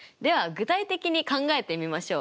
具体的に考えてみましょう。